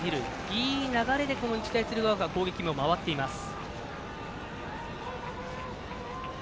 いい流れで日大鶴ヶ丘攻撃も回っています。